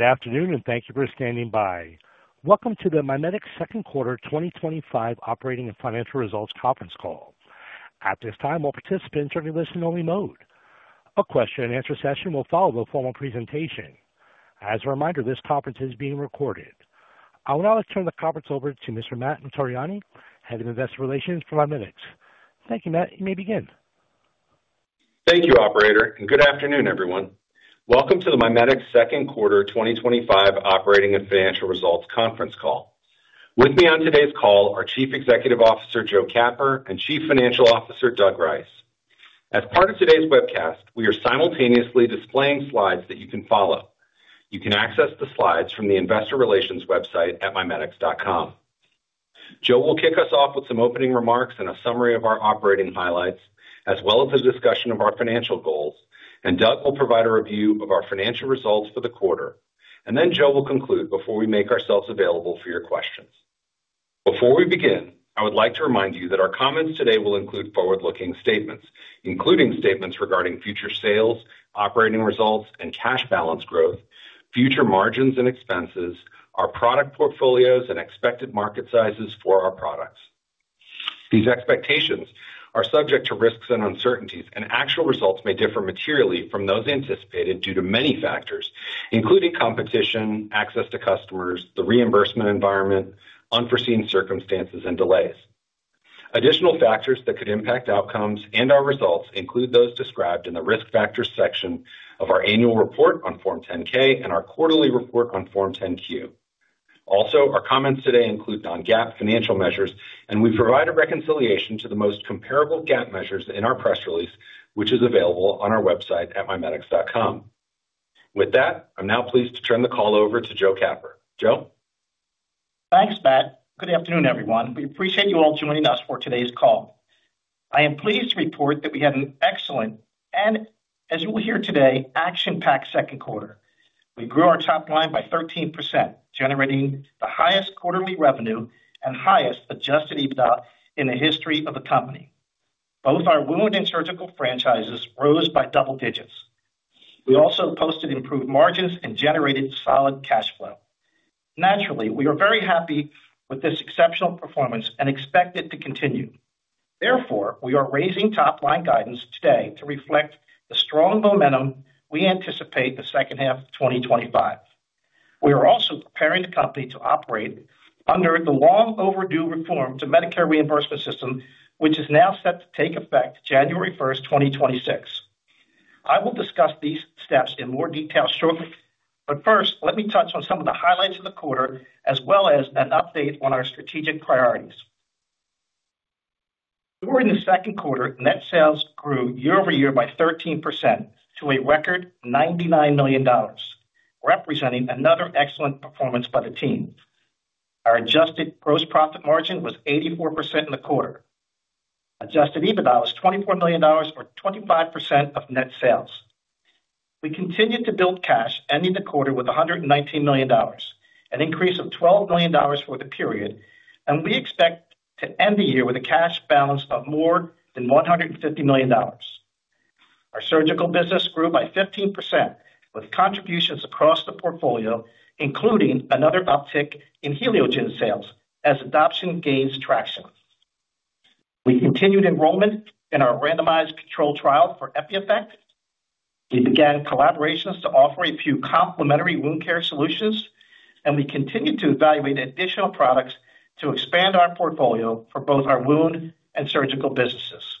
Good afternoon and thank you for standing by. Welcome to the MiMedx Second Quarter 2025 Operating and Financial Results Conference Call. At this time, all participants are in listen-only mode. A question and answer session will follow the formal presentation. As a reminder, this conference is being recorded. I will now turn the conference over to Mr. Matthew M. Notarianni, Head of Investor Relations for MiMedx. Thank you, Matt. You may begin. Matthew M. Notarianni - Head of Investor Relations - MiMedx Group Inc.: Thank you, Operator. Good afternoon, everyone. Welcome to the MiMedx Second Quarter 2025 Operating and Financial Results Conference call. With me on today's call are Chief Executive Officer Joseph H. Capper and Chief Financial Officer Douglas C. Rice. As part of today's webcast, we are simultaneously displaying slides that you can follow. You can access the slides from the Investor Relations website at mimedx.com. Joseph will kick us off with some opening remarks and a summary of our operating highlights, as well as a discussion of our financial goals. Douglas will provide a review of our financial results for the quarter. Joseph will conclude before we make ourselves available for your questions. Before we begin, I would like to remind you that our comments today will include forward-looking statements, including statements regarding future sales, operating results, and cash balance growth, future margins and expenses, our product portfolios, and expected market sizes for our products. These expectations are subject to risks and uncertainties, and actual results may differ materially from those anticipated due to many factors, including competition, access to customers, the reimbursement environment, unforeseen circumstances, and delays. Additional factors that could impact outcomes and our results include those described in the Risk Factors section of our annual report on Form 10-K and our quarterly report on Form 10-Q. Also, our comments today include non-GAAP financial measures, and we provide a reconciliation to the most comparable GAAP measures in our press release, which is available on our website at mimedx.com. With that, I'm now pleased to turn the call over to Joseph Capper. Joseph? Thanks, Matt. Good afternoon, everyone. We appreciate you all joining us for today's call. I am pleased to report that we had an excellent, and as you will hear today, action-packed second quarter. We grew our top line by 13%, generating the highest quarterly revenue and highest adjusted EBITDA in the history of the company. Both our wound and surgical franchises rose by double digits. We also posted improved margins and generated solid cash flow. Naturally, we are very happy with this exceptional performance and expect it to continue. Therefore, we are raising top-line guidance today to reflect the strong momentum we anticipate in the second half of 2025. We are also preparing the company to operate under the long-overdue reform to the Medicare reimbursement system, which is now set to take effect January 1, 2026. I will discuss these steps in more detail shortly, but first, let me touch on some of the highlights of the quarter, as well as an update on our strategic priorities. During the second quarter, net sales grew year over year by 13% to a record $99 million, representing another excellent performance by the team. Our adjusted gross profit margin was 84% in the quarter. Adjusted EBITDA was $24 million, or 25% of net sales. We continued to build cash, ending the quarter with $119 million, an increase of $12 million over the period, and we expect to end the year with a cash balance of more than $150 million. Our surgical business grew by 15% with contributions across the portfolio, including another uptick in Heliogen sales as adoption gains traction. We continued enrollment in our randomized controlled trial for EpiEffect. We began collaborations to offer a few complementary wound care solutions, and we continued to evaluate additional products to expand our portfolio for both our wound and surgical businesses.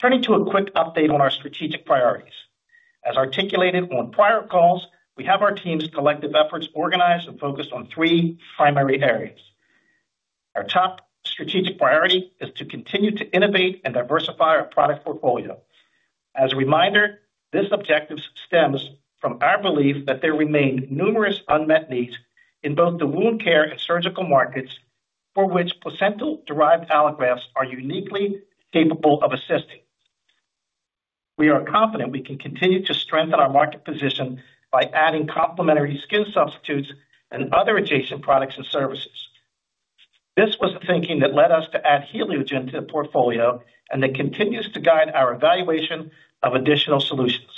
Turning to a quick update on our strategic priorities. As articulated on prior calls, we have our team's collective efforts organized and focused on three primary areas. Our top strategic priority is to continue to innovate and diversify our product portfolio. As a reminder, this objective stems from our belief that there remain numerous unmet needs in both the wound care and surgical markets for which placental-derived allografts are uniquely capable of assisting. We are confident we can continue to strengthen our market position by adding complementary skin substitutes and other adjacent products and services. This was the thinking that led us to add Heliogen to the portfolio and that continues to guide our evaluation of additional solutions.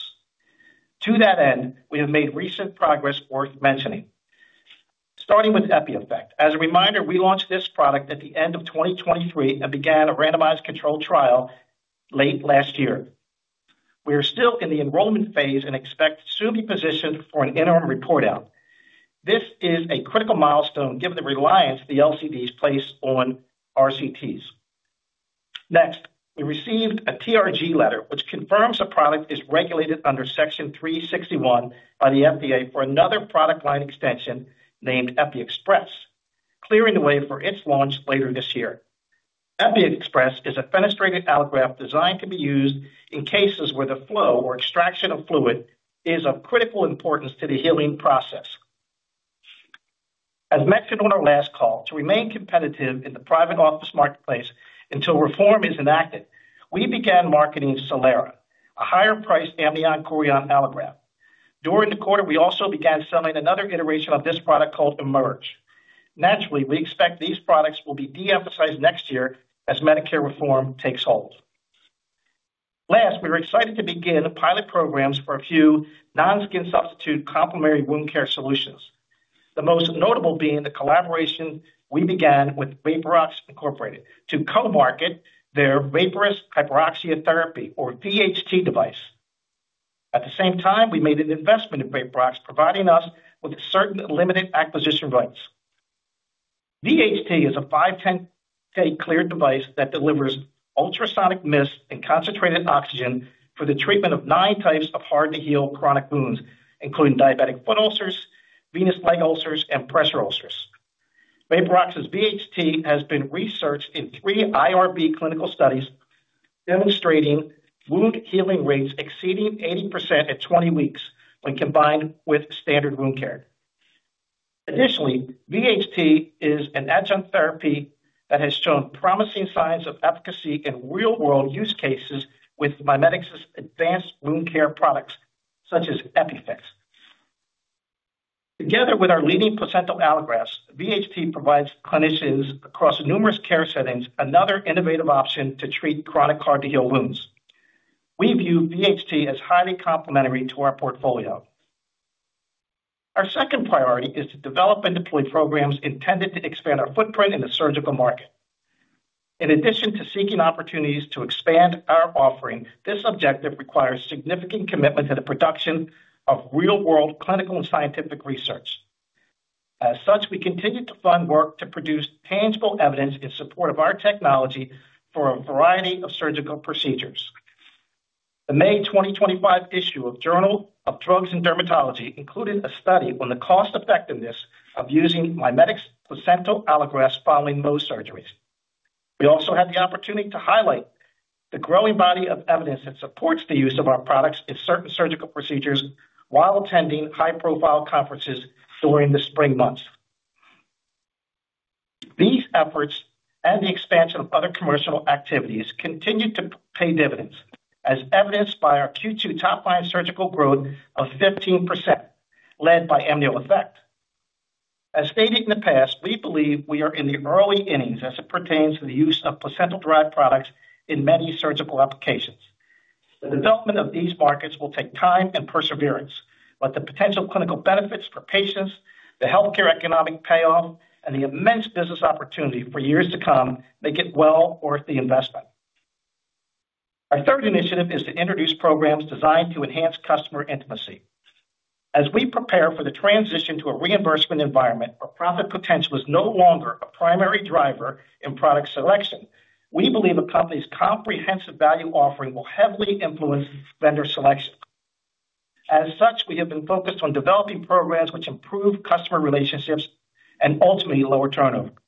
To that end, we have made recent progress worth mentioning. Starting with EpiEffect. As a reminder, we launched this product at the end of 2023 and began a randomized controlled trial late last year. We are still in the enrollment phase and expect to soon be positioned for an interim report out. This is a critical milestone given the reliance the Local Coverage Determinations (LCDs) place on randomized controlled trials. Next, we received a TRG letter, which confirms the product is regulated under Section 361 by the FDA for another product line extension named EpiExpress, clearing the way for its launch later this year. EpiExpress is a fenestrated allograft designed to be used in cases where the flow or extraction of fluid is of critical importance to the healing process. As mentioned on our last call, to remain competitive in the private office marketplace until reform is enacted, we began marketing AmnioEffect, a higher-priced amnion chorion allograft. During the quarter, we also began selling another iteration of this product called Emerge. Naturally, we expect these products will be de-emphasized next year as Medicare reimbursement reform takes hold. Last, we were excited to begin pilot programs for a few non-skin substitute complementary wound care solutions, the most notable being the collaboration we began with Vaporox Inc to co-market their Vaporous Hyperoxia Therapy, or VHT, device. At the same time, we made an investment in Vaporox, providing us with certain limited acquisition rights. VHT is a 510(k) cleared device that delivers ultrasonic mist and concentrated oxygen for the treatment of nine types of hard-to-heal chronic wounds, including diabetic foot ulcers, venous leg ulcers, and pressure ulcers. Vaporox's VHT has been researched in three IRB clinical studies, demonstrating wound healing rates exceeding 80% at 20 weeks when combined with standard wound care. Additionally, VHT is an adjunct therapy that has shown promising signs of efficacy in real-world use cases with MiMedx's advanced wound care products, such as EpiFix. Together with our leading placental allografts, VHT provides clinicians across numerous care settings another innovative option to treat chronic hard-to-heal wounds. We view VHT as highly complementary to our portfolio. Our second priority is to develop and deploy programs intended to expand our footprint in the surgical market. In addition to seeking opportunities to expand our offering, this objective requires significant commitment to the production of real-world clinical and scientific research. As such, we continue to fund work to produce tangible evidence in support of our technology for a variety of surgical procedures. The May 2025 issue of the Journal of Drugs and Dermatology included a study on the cost-effectiveness of using MiMedx placental allografts following Mohs surgeries. We also had the opportunity to highlight the growing body of evidence that supports the use of our products in certain surgical procedures while attending high-profile conferences during the spring months. These efforts and the expansion of other commercial activities continue to pay dividends, as evidenced by our Q2 top-line surgical growth of 15%, led by AmnioEffect. As stated in the past, we believe we are in the early innings as it pertains to the use of placental-derived products in many surgical applications. The development of these markets will take time and perseverance, but the potential clinical benefits for patients, the healthcare economic payoff, and the immense business opportunity for years to come make it well worth the investment. Our third initiative is to introduce programs designed to enhance customer intimacy. As we prepare for the transition to a reimbursement environment where profit potential is no longer a primary driver in product selection, we believe a company's comprehensive value offering will heavily influence vendor selection. As such, we have been focused on developing programs which improve customer relationships and ultimately lower turnover. We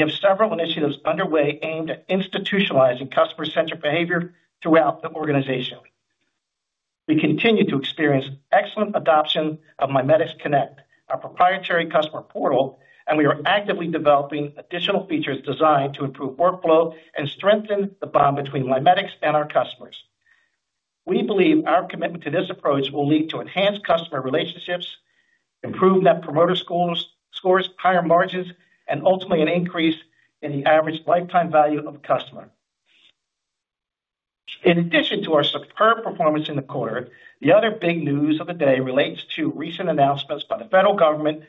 have several initiatives underway aimed at institutionalizing customer-centric behavior throughout the organization. We continue to experience excellent adoption of MiMedx Connect, our proprietary customer portal, and we are actively developing additional features designed to improve workflow and strengthen the bond between MiMedx and our customers. We believe our commitment to this approach will lead to enhanced customer relationships, improved net promoter scores, higher margins, and ultimately an increase in the average lifetime value of the customer. In addition to our superb performance in the quarter, the other big news of the day relates to recent announcements by the federal government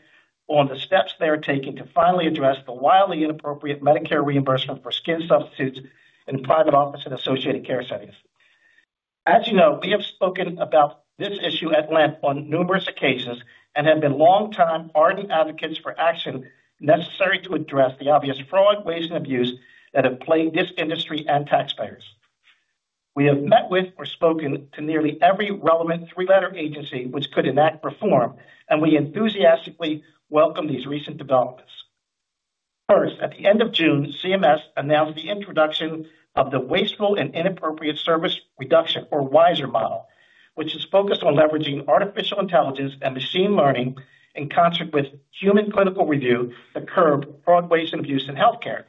on the steps they are taking to finally address the wildly inappropriate Medicare reimbursement for skin substitutes in private office and associated care settings. As you know, we have spoken about this issue at length on numerous occasions and have been long-time ardent advocates for action necessary to address the obvious fraud, waste, and abuse that have plagued this industry and taxpayers. We have met with or spoken to nearly every relevant three-letter agency which could enact reform, and we enthusiastically welcome these recent developments. First, at the end of June, Centers for Medicare & Medicaid Services (CMS) announced the introduction of the Wasteful and Inappropriate Service Reduction, or WISR, model, which is focused on leveraging artificial intelligence and machine learning in concert with human clinical review to curb fraud, waste, and abuse in healthcare.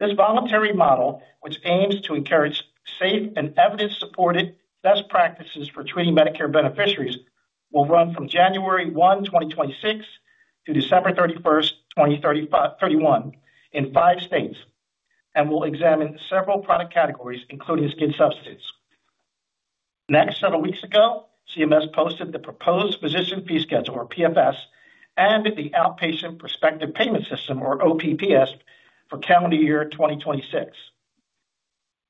This voluntary model, which aims to encourage safe and evidence-supported best practices for treating Medicare beneficiaries, will run from January 1, 2026, to December 31, 2031, in five states and will examine several product categories, including skin substitutes. Next, several weeks ago, CMS posted the proposed Physician Fee Schedule, or PFS, and the Outpatient Prospective Payment System, or OPPS, for calendar year 2026.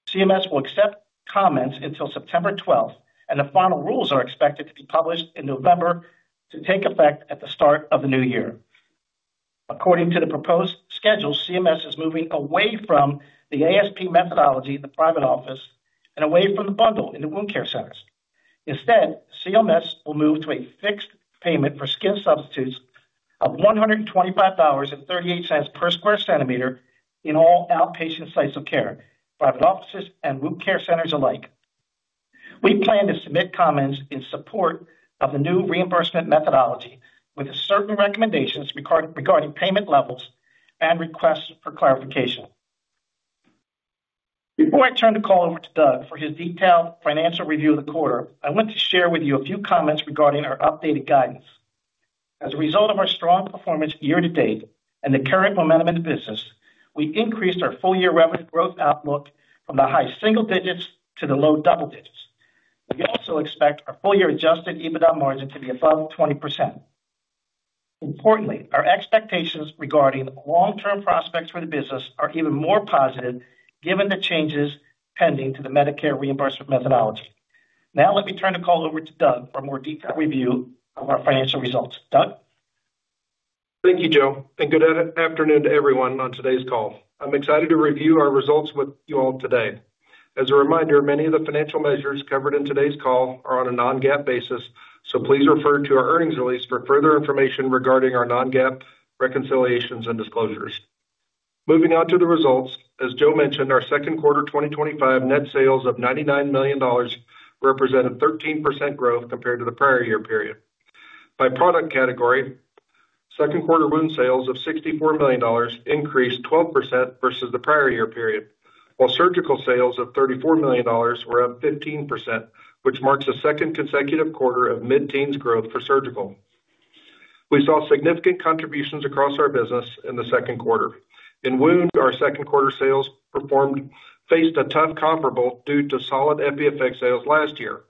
CMS will accept comments until September 12, and the final rules are expected to be published in November to take effect at the start of the new year. According to the proposed schedule, Centers for Medicare & Medicaid Services (CMS) is moving away from the ASP methodology at the private office and away from the bundle in the wound care centers. Instead, CMS will move to a fixed payment for skin substitutes of $125.38 per square centimeter in all outpatient sites of care, private offices and wound care centers alike. We plan to submit comments in support of the new reimbursement methodology with certain recommendations regarding payment levels and requests for clarification. Before I turn the call over to Doug for his detailed financial review of the quarter, I want to share with you a few comments regarding our updated guidance. As a result of our strong performance year to date and the current momentum in the business, we increased our full-year revenue growth outlook from the high single digits to the low double digits. We also expect our full-year adjusted EBITDA margin to be above 20%. Importantly, our expectations regarding long-term prospects for the business are even more positive given the changes pending to the Medicare reimbursement methodology. Now, let me turn the call over to Doug for a more detailed review of our financial results. Doug? Thank you, Joe, and good afternoon to everyone on today's call. I'm excited to review our results with you all today. As a reminder, many of the financial measures covered in today's call are on a non-GAAP basis, so please refer to our earnings release for further information regarding our non-GAAP reconciliations and disclosures. Moving on to the results, as Joe mentioned, our second quarter 2025 net sales of $99 million represented 13% growth compared to the prior year period. By product category, second quarter wound sales of $64 million increased 12% versus the prior year period, while surgical sales of $34 million were up 15%, which marks the second consecutive quarter of mid-teens growth for surgical. We saw significant contributions across our business in the second quarter. In wound, our second quarter sales faced a tough comparable due to solid EpiFix sales last year.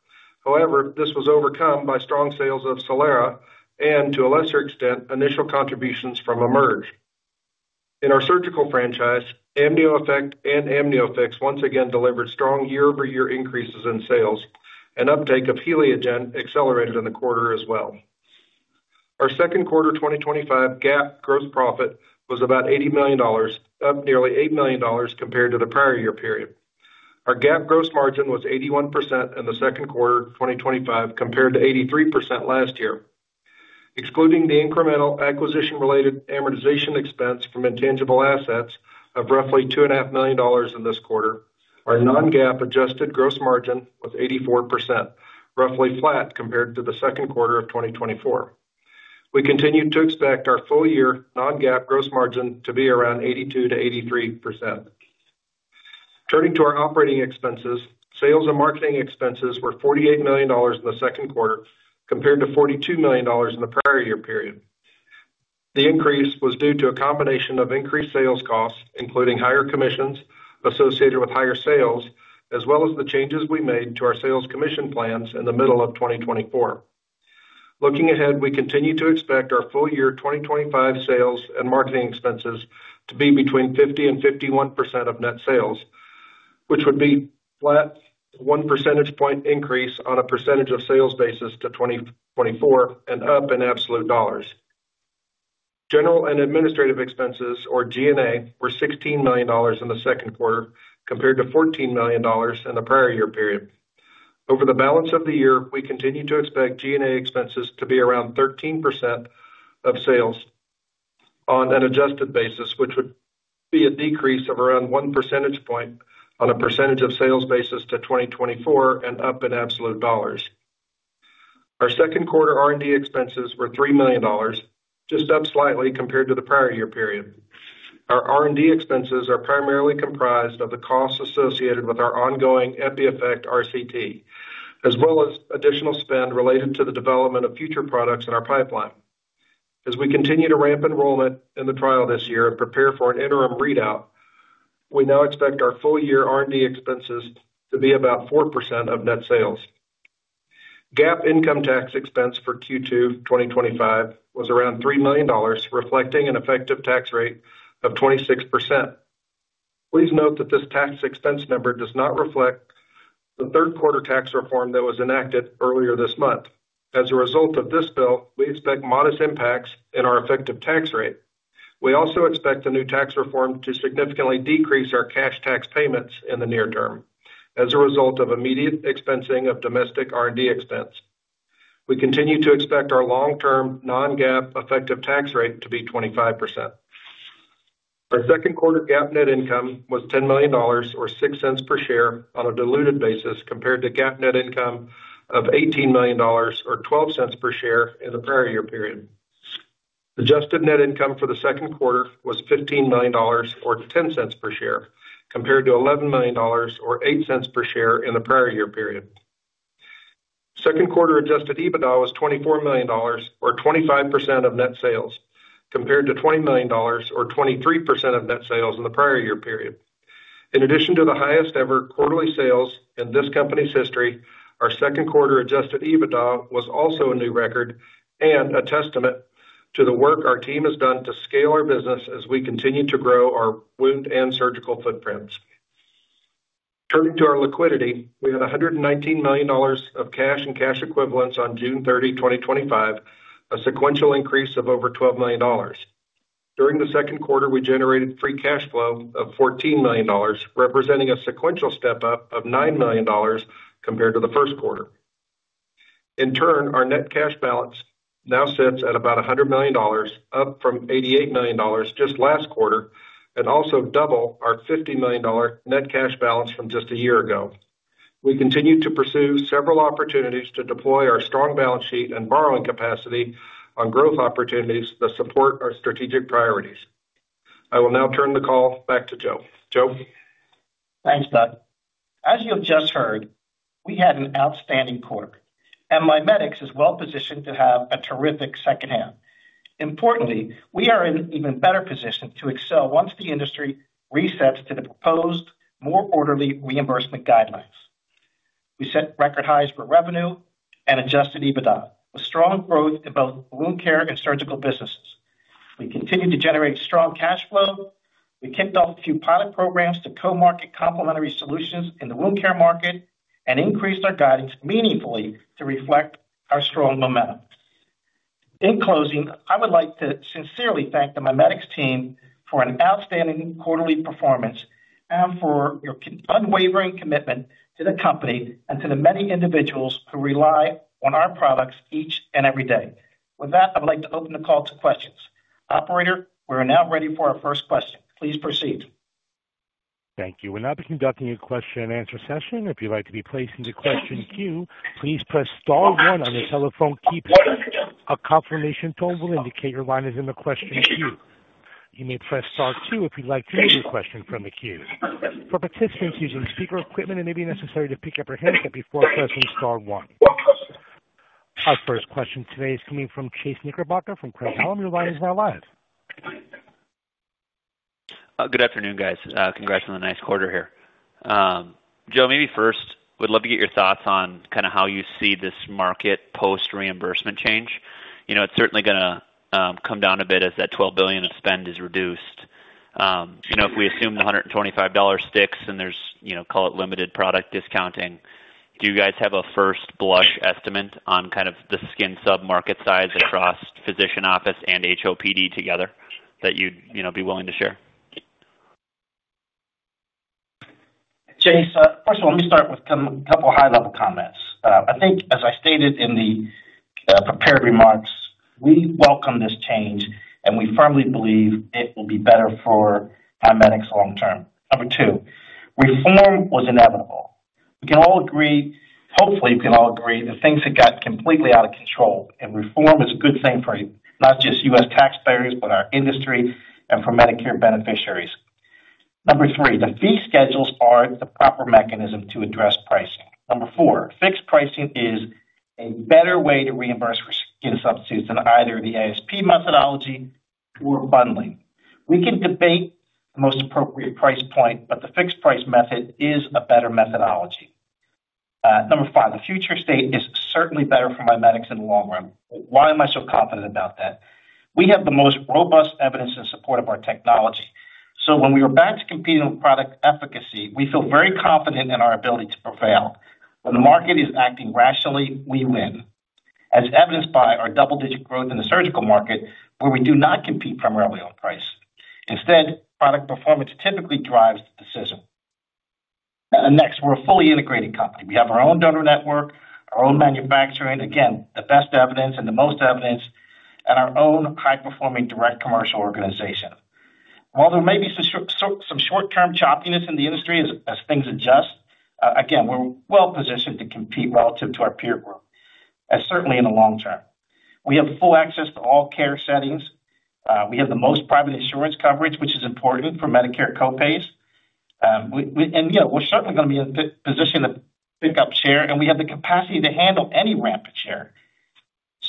However, this was overcome by strong sales of EpiExpress and, to a lesser extent, initial contributions from Emerge. In our surgical franchise, AmnioEffect and AmnioFix once again delivered strong year-over-year increases in sales, and uptake of Heliogen accelerated in the quarter as well. Our second quarter 2025 GAAP gross profit was about $80 million, up nearly $8 million compared to the prior year period. Our GAAP gross margin was 81% in the second quarter 2025 compared to 83% last year. Excluding the incremental acquisition-related amortization expense from intangible assets of roughly $2.5 million in this quarter, our non-GAAP adjusted gross margin was 84%, roughly flat compared to the second quarter of 2024. We continue to expect our full-year non-GAAP gross margin to be around 82% to 83%. Turning to our operating expenses, sales and marketing expenses were $48 million in the second quarter compared to $42 million in the prior year period. The increase was due to a combination of increased sales costs, including higher commissions associated with higher sales, as well as the changes we made to our sales commission plans in the middle of 2024. Looking ahead, we continue to expect our full-year 2025 sales and marketing expenses to be between 50% and 51% of net sales, which would be a flat 1 percentage point increase on a percentage of sales basis to 2024 and up in absolute dollars. General and administrative expenses, or G&A, were $16 million in the second quarter compared to $14 million in the prior year period. Over the balance of the year, we continue to expect G&A expenses to be around 13% of sales on an adjusted basis, which would be a decrease of around 1 percentage point on a percentage of sales basis to 2024 and up in absolute dollars. Our second quarter R&D expenses were $3 million, just up slightly compared to the prior year period. Our R&D expenses are primarily comprised of the costs associated with our ongoing EpiEffect randomized controlled trial, as well as additional spend related to the development of future products in our pipeline. As we continue to ramp enrollment in the trial this year and prepare for an interim readout, we now expect our full-year R&D expenses to be about 4% of net sales. GAAP income tax expense for Q2 2025 was around $3 million, reflecting an effective tax rate of 26%. Please note that this tax expense number does not reflect the third quarter tax reform that was enacted earlier this month. As a result of this bill, we expect modest impacts in our effective tax rate. We also expect the new tax reform to significantly decrease our cash tax payments in the near term as a result of immediate expensing of domestic R&D expense. We continue to expect our long-term non-GAAP effective tax rate to be 25%. Our second quarter GAAP net income was $10 million, or $0.06 per share on a diluted basis compared to GAAP net income of $18 million, or $0.12 per share in the prior year period. Adjusted net income for the second quarter was $15 million, or $0.10 per share compared to $11 million, or $0.08 per share in the prior year period. Second quarter adjusted EBITDA was $24 million, or 25% of net sales compared to $20 million, or 23% of net sales in the prior year period. In addition to the highest ever quarterly sales in this company's history, our second quarter adjusted EBITDA was also a new record and a testament to the work our team has done to scale our business as we continue to grow our wound and surgical footprints. Turning to our liquidity, we had $119 million of cash and cash equivalents on June 30, 2025, a sequential increase of over $12 million. During the second quarter, we generated free cash flow of $14 million, representing a sequential step up of $9 million compared to the first quarter. In turn, our net cash balance now sits at about $100 million, up from $88 million just last quarter and also double our $50 million net cash balance from just a year ago. We continue to pursue several opportunities to deploy our strong balance sheet and borrowing capacity on growth opportunities that support our strategic priorities. I will now turn the call back to Joe. Joe? Thanks, Doug. As you have just heard, we had an outstanding quarter, and MiMedx is well positioned to have a terrific second half. Importantly, we are in an even better position to excel once the industry resets to the proposed more orderly reimbursement guidelines. We set record highs for revenue and adjusted EBITDA with strong growth in both wound care and surgical businesses. We continue to generate strong cash flow. We kicked off a few pilot programs to co-market complementary solutions in the wound care market and increased our guidance meaningfully to reflect our strong momentum. In closing, I would like to sincerely thank the MiMedx team for an outstanding quarterly performance and for your unwavering commitment to the company and to the many individuals who rely on our products each and every day. With that, I would like to open the call to questions. Operator, we are now ready for our first question. Please proceed. Thank you. We're now conducting a question and answer session. If you'd like to be placed in the question queue, please press star one on the telephone keypad. A confirmation tone will indicate your line is in the question queue. You may press star two if you'd like to remove a question from the queue. For participants using speaker equipment, it may be necessary to pick up your handset before pressing star one. Our first question today is coming from Chase Richard Knickerbocker from Crest Hallam. Your line is now live. Good afternoon, guys. Congrats on the nice quarter here. Joe, maybe first, we'd love to get your thoughts on how you see this market post-reimbursement change. It's certainly going to come down a bit as that $12 billion of spend is reduced. If we assume the $125 sticks and there's, call it, limited product discounting, do you guys have a first-blush estimate on the skin sub-market size across physician office and HOPD together that you'd be willing to share? Chase, first of all, let me start with a couple of high-level comments. I think, as I stated in the prepared remarks, we welcome this change and we firmly believe it will be better for MiMedx long term. Number two, reform was inevitable. We can all agree, hopefully, we can all agree that things have gotten completely out of control and reform is a good thing for not just U.S. taxpayers, but our industry and for Medicare beneficiaries. Number three, the fee schedules aren't the proper mechanism to address pricing. Number four, fixed pricing is a better way to reimburse for skin substitutes than either the ASP methodology or bundling. We can debate the most appropriate price point, but the fixed price method is a better methodology. Number five, the future state is certainly better for MiMedx in the long run. Why am I so confident about that? We have the most robust evidence in support of our technology. When we are back to competing on product efficacy, we feel very confident in our ability to prevail. When the market is acting rationally, we win, as evidenced by our double-digit growth in the surgical market where we do not compete primarily on price. Instead, product performance typically drives the decision. Next, we're a fully integrated company. We have our own donor network, our own manufacturing, again, the best evidence and the most evidence, and our own high-performing direct commercial organization. While there may be some short-term choppiness in the industry as things adjust, we're well positioned to compete relative to our peer growth, and certainly in the long term. We have full access to all care settings. We have the most private insurance coverage, which is important for Medicare co-pays. You know, we're certainly going to be in a position to pick up share, and we have the capacity to handle any ramp of share.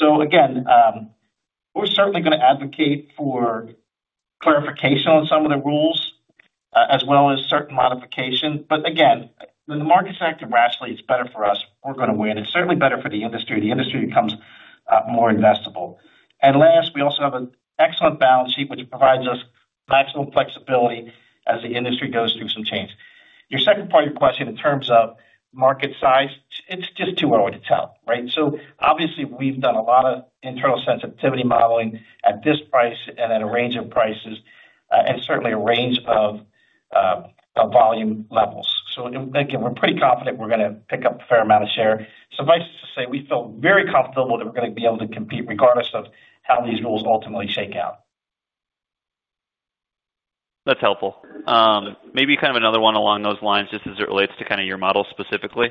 We're certainly going to advocate for clarification on some of the rules, as well as certain modifications. When the market's acting rationally, it's better for us. We're going to win. It's certainly better for the industry. The industry becomes more investable. Last, we also have an excellent balance sheet, which provides us maximum flexibility as the industry goes through some change. Your second part of your question in terms of market size, it's just too early to tell, right? Obviously, we've done a lot of internal sensitivity modeling at this price and at a range of prices and certainly a range of volume levels. We're pretty confident we're going to pick up a fair amount of share. Suffice to say, we feel very comfortable that we're going to be able to compete regardless of how these rules ultimately shake out. That's helpful. Maybe kind of another one along those lines, just as it relates to kind of your model specifically.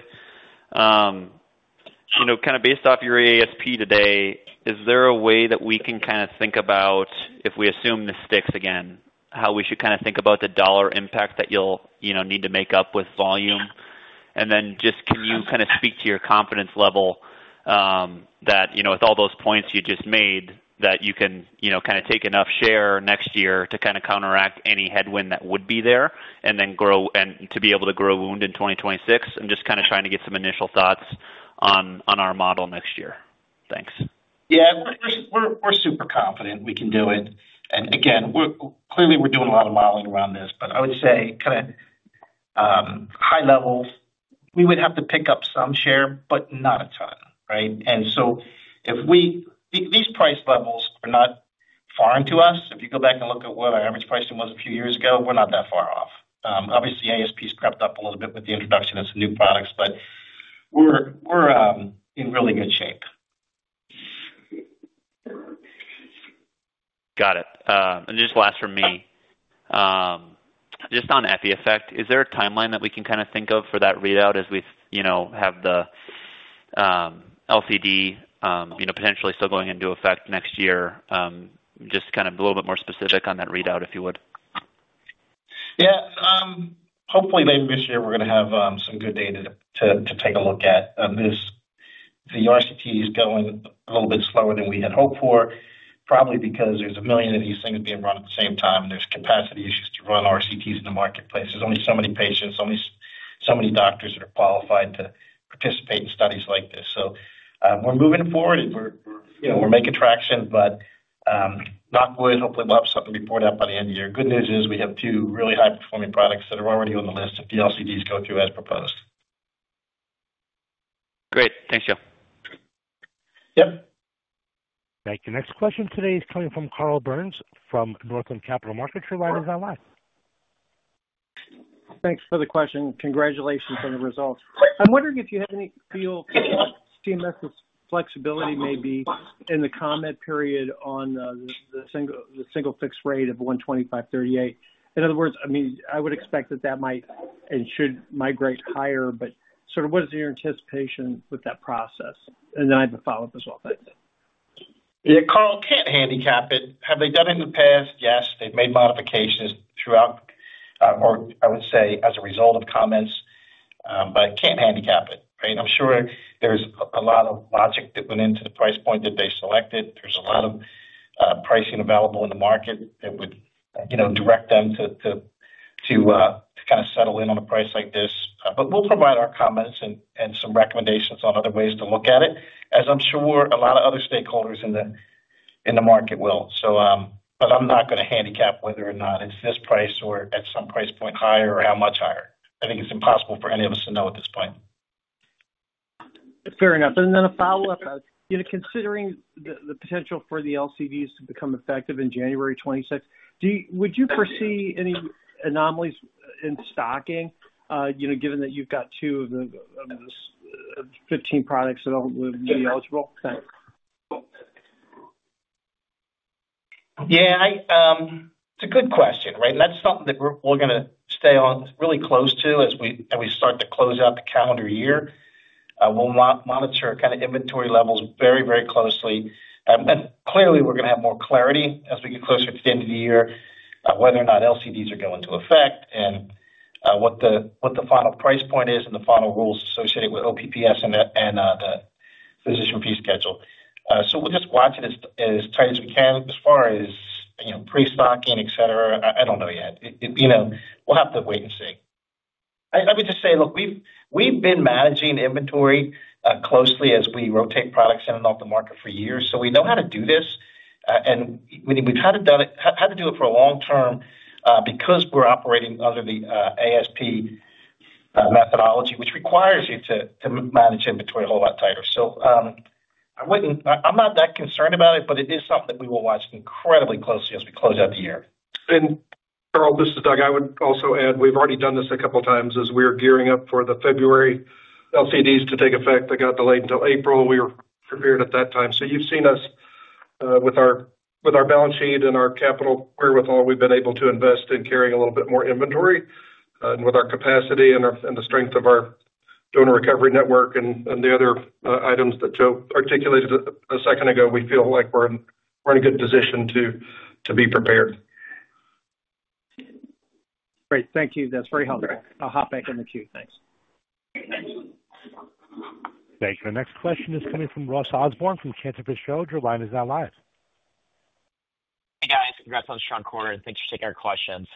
You know, based off your ASP today, is there a way that we can think about, if we assume the sticks again, how we should think about the dollar impact that you'll need to make up with volume? Can you speak to your confidence level that, with all those points you just made, that you can take enough share next year to counteract any headwind that would be there and then grow and to be able to grow wound in 2026? I'm just trying to get some initial thoughts on our model next year. Thanks. Yeah, we're super confident we can do it. Again, clearly, we're doing a lot of modeling around this, but I would say kind of high levels, we would have to pick up some share, but not a ton, right? If we, these price levels are not foreign to us. If you go back and look at what our average pricing was a few years ago, we're not that far off. Obviously, ASPs crept up a little bit with the introduction of some new products, but we're in really good shape. Got it. Just last for me, just on EpiEffect, is there a timeline that we can kind of think of for that readout as we, you know, have the Local Coverage Determinations (LCD), you know, potentially still going into effect next year? Just kind of a little bit more specific on that readout, if you would. Yeah, hopefully maybe this year we're going to have some good data to take a look at. The RCT is going a little bit slower than we had hoped for, probably because there's a million of these things being run at the same time, and there's capacity issues to run RCTs in the marketplace. There are only so many patients, only so many doctors that are qualified to participate in studies like this. We're moving forward, we're making traction, but knock wood, hopefully we'll have something to report out by the end of the year. The good news is we have two really high-performing products that are already on the list if the Local Coverage Determinations (LCDs) go through as proposed. Great. Thanks, Joe. Thank you. Next question today is coming from Carl Edward Byrnes from Northland Capital Markets. Your line is now live. Thanks for the question. Congratulations on the results. I'm wondering if you have any feel for Centers for Medicare & Medicaid Services's (CMS) flexibility in the comment period on the single fixed rate of $125.38. In other words, I mean, I would expect that that might and should migrate higher, but sort of what is your anticipation with that process? I have a follow-up as well. Yeah, Carl can't handicap it. Have they done it in the past? Yes, they've made modifications throughout, or I would say as a result of comments, but can't handicap it, right? I'm sure there's a lot of logic that went into the price point that they selected. There's a lot of pricing available in the market that would, you know, direct them to kind of settle in on a price like this. We'll provide our comments and some recommendations on other ways to look at it, as I'm sure a lot of other stakeholders in the market will. I'm not going to handicap whether or not it's this price or at some price point higher or how much higher. I think it's impossible for any of us to know at this point. Fair enough. A follow-up, you know, considering the potential for the LCDs to become effective in January 2026, would you foresee any anomalies in stocking, you know, given that you've got two of the 15 products that will be eligible? Yeah, it's a good question, right? That's something that we're going to stay on really close to as we start to close out the calendar year. We'll monitor inventory levels very, very closely. Clearly, we're going to have more clarity as we get closer to the end of the year whether or not Local Coverage Determinations are going to take effect and what the final price point is and the final rules associated with Outpatient Prospective Payment System (OPPS) and the physician fee schedule. We'll just watch it as tight as we can. As far as pre-stocking, etc., I don't know yet. We'll have to wait and see. I would just say, look, we've been managing inventory closely as we rotate products in and off the market for years, so we know how to do this. We've had to do it for a long term because we're operating under the ASP methodology, which requires you to manage inventory a whole lot tighter. I wouldn't say I'm that concerned about it, but it is something that we will watch incredibly closely as we close out the year. Carl, this is Doug. I would also add, we've already done this a couple of times as we're gearing up for the February Local Coverage Determinations to take effect. They got delayed until April. We were prepared at that time. You've seen us with our balance sheet and our capital wherewithal. We've been able to invest in carrying a little bit more inventory. With our capacity and the strength of our donor recovery network and the other items that Joe articulated a second ago, we feel like we're in a good position to be prepared. Great. Thank you. That's very helpful. I'll hop back in the queue. Thanks. Thank you. Our next question is coming from Ross Everett Osborn from Canterfish Shoals. Your line is now live. Hey, guys. Congrats on the strong quarter. Thanks for taking our questions.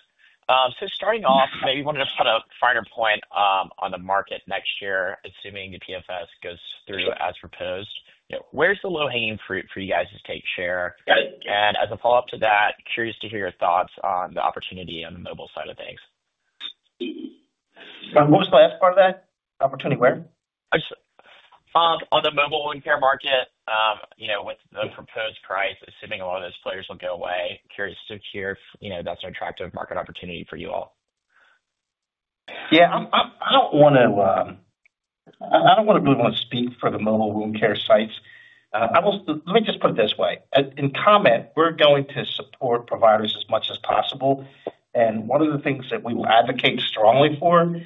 Maybe you wanted to put a finer point on the market next year, assuming the PFS goes through as proposed. Where's the low-hanging fruit for you guys to take share? As a follow-up to that, curious to hear your thoughts on the opportunity on the mobile side of things. What was the last part of that? Opportunity where? On the mobile wound care market, with the proposed price, assuming a lot of those players will go away, curious to hear if that's an attractive market opportunity for you all. Yeah, I don't really want to speak for the mobile wound care sites. Let me just put it this way. In comment, we're going to support providers as much as possible. One of the things that we will advocate strongly for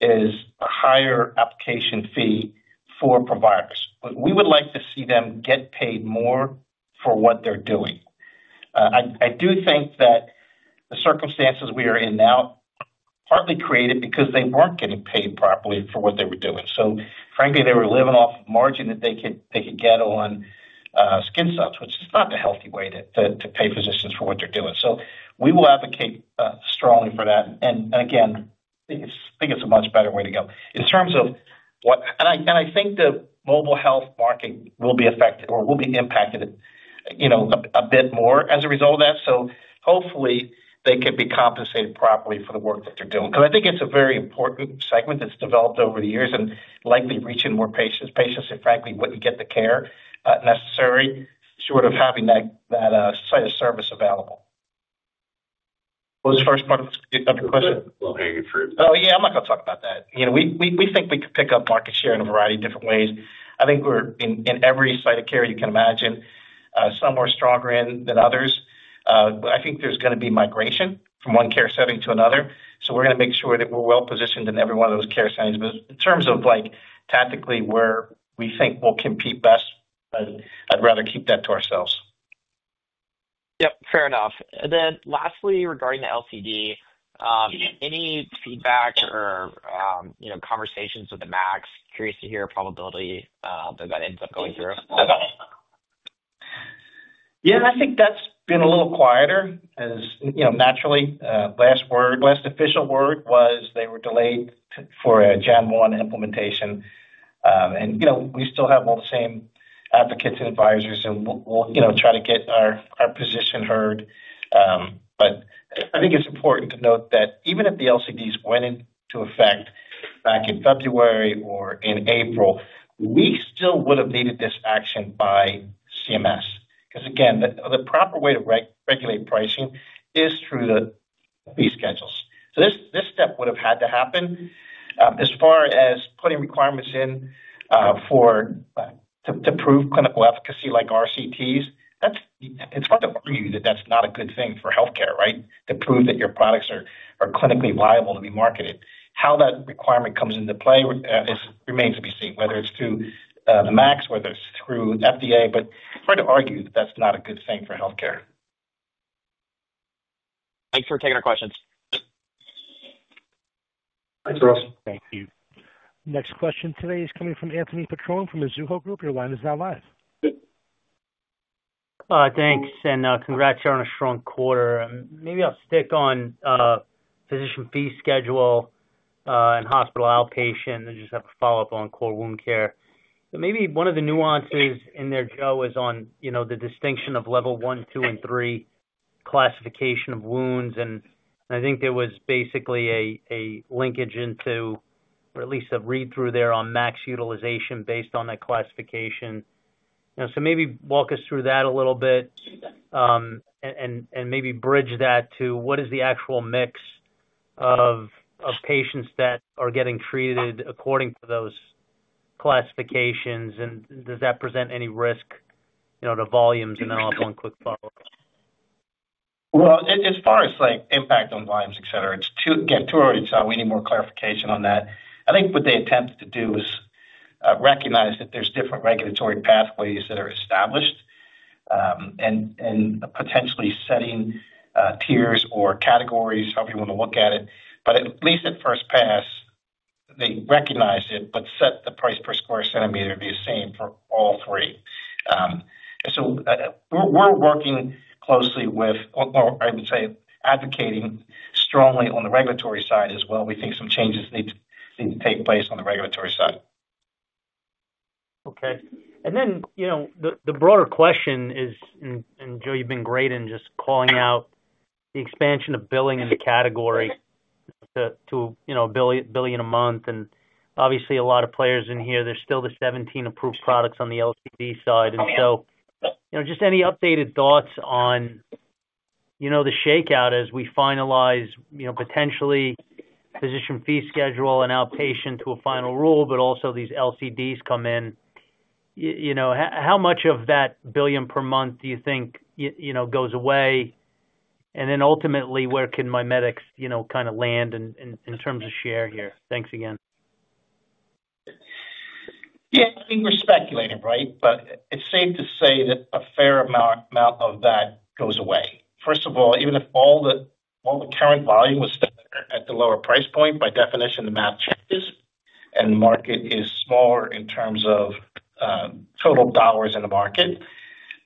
is a higher application fee for providers. We would like to see them get paid more for what they're doing. I do think that the circumstances we are in now are partly created because they weren't getting paid properly for what they were doing. Frankly, they were living off margin that they could get on skin subs, which is not a healthy way to pay physicians for what they're doing. We will advocate strongly for that. I think it's a much better way to go. In terms of what, I think the mobile health market will be affected or will be impacted a bit more as a result of that. Hopefully, they could be compensated properly for the work that they're doing. I think it's a very important segment that's developed over the years and likely reaching more patients. Patients that frankly wouldn't get the care necessary, short of having that site of service available. What was the first part of the question? We hear you for it. Yeah, I'm not going to talk about that. We think we could pick up market share in a variety of different ways. I think we're in every site of care you can imagine. Some are stronger than others. I think there's going to be migration from one care setting to another. We're going to make sure that we're well positioned in every one of those care settings. In terms of tactically where we think we'll compete best, I'd rather keep that to ourselves. Fair enough. Lastly, regarding the LCD, any feedback or conversations with the MACs? Curious to hear probability that that ends up going through. Yeah, I think that's been a little quieter as, you know, naturally. Last official word was they were delayed for a Gen 1 implementation. You know, we still have all the same advocates and advisors, and we'll try to get our position heard. I think it's important to note that even if the LCDs went into effect back in February or in April, we still would have needed this action by CMS. Again, the proper way to regulate pricing is through the fee schedules. This step would have had to happen. As far as putting requirements in to prove clinical efficacy like randomized controlled trials, it's fun to argue that that's not a good thing for healthcare, right? To prove that your products are clinically viable to be marketed. How that requirement comes into play remains to be seen, whether it's through the MACs, whether it's through FDA. It's hard to argue that that's not a good thing for healthcare. Thanks for taking our questions. Thanks, Russ. Thank you. Next question today is coming from Anthony Charles Petrone from Azuho Group. Your line is now live. Thanks, and congrats on a strong quarter. Maybe I'll stick on physician fee schedule and hospital outpatient. I just have a follow-up on core wound care. Maybe one of the nuances in there, Joe, was on, you know, the distinction of level one, two, and three classification of wounds. I think there was basically a linkage into, or at least a read-through there on max utilization based on that classification. Maybe walk us through that a little bit and bridge that to what is the actual mix of patients that are getting treated according to those classifications? Does that present any risk, you know, to volumes and LF1 quick flow? As far as impact on volumes, etc., it's too early to tell. We need more clarification on that. I think what they attempt to do is recognize that there's different regulatory pathways that are established and potentially setting tiers or categories, however you want to look at it. At least at first pass, they recognize it, but set the price per square centimeter to be the same for all three. We're working closely with, or I would say advocating strongly on the regulatory side as well. We think some changes need to take place on the regulatory side. Okay. The broader question is, and Joe, you've been great in just calling out the expansion of billing category to, you know, $1 billion a month. Obviously, a lot of players in here, there's still the 17 approved products on the LCD side. Just any updated thoughts on the shakeout as we finalize potentially physician fee schedule and outpatient to a final rule, but also these LCDs come in. How much of that $1 billion per month do you think goes away? Ultimately, where can MiMedx, you know, kind of land in terms of share here? Thanks again. Yeah, I think we're speculating, right? It's safe to say that a fair amount of that goes away. First of all, even if all the current volume was at the lower price point, by definition, the math changes and the market is smaller in terms of total dollars in the market.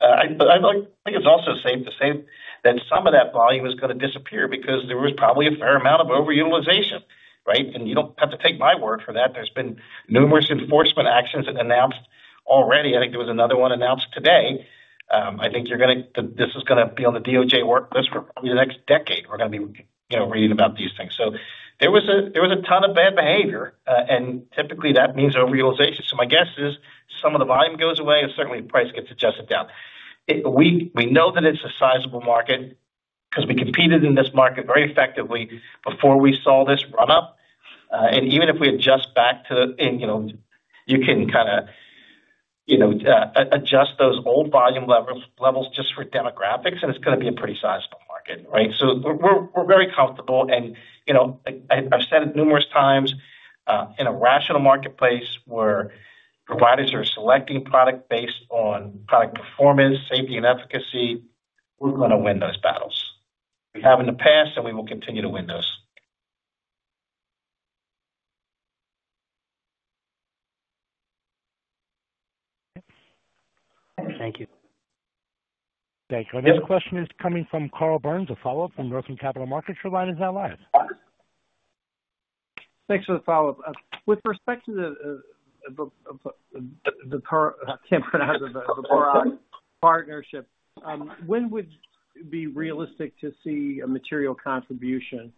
I think it's also safe to say that some of that volume is going to disappear because there was probably a fair amount of overutilization, right? You don't have to take my word for that. There have been numerous enforcement actions that were announced already. I think there was another one announced today. I think this is going to be on the DOJ work list for probably the next decade. We're going to be reading about these things. There was a ton of bad behavior, and typically that means overutilization. My guess is some of the volume goes away, and certainly the price gets adjusted down. We know that it's a sizable market because we competed in this market very effectively before we saw this run-up. Even if we adjust back to, and you can kind of adjust those old volume levels just for demographics, it's going to be a pretty sizable market, right? We're very comfortable. I've said it numerous times, in a rational marketplace where providers are selecting product based on product performance, safety, and efficacy, we're going to win those battles. Have in the past, and we will continue to win those. Thank you. Thank you. Our next question is coming from Carl Edward Byrnes, a follow-up from Northland Capital Markets. Your line is now live. Thanks for the follow-up. With respect to the partnership, when would it be realistic to see a material contribution?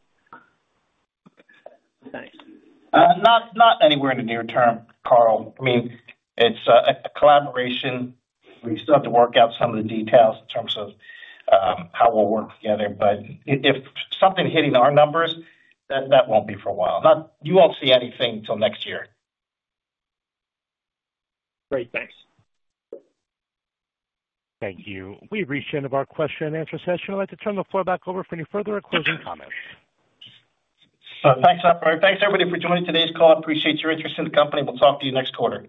Not anywhere in the near term, Carl. I mean, it's a collaboration. We still have to work out some of the details in terms of how we'll work together. If something's hitting our numbers, that won't be for a while. You won't see anything until next year. Great. Thanks. Thank you. We've reached the end of our question and answer session. I'd like to turn the floor back over for any further or closing comments. Thanks, Robert. Thanks, everybody, for joining today's call. I appreciate your interest in the company. We'll talk to you next quarter.